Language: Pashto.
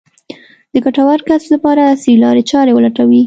د ګټور کسب لپاره عصري لارې چارې ولټوي.